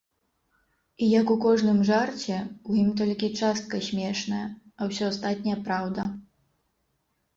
І як у кожным жарце, у ім толькі частка смешная, а ўсё астатняе праўда.